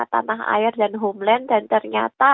tanah air dan homeland dan ternyata